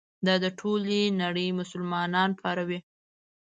دا د ټولې نړۍ مسلمانان پاروي.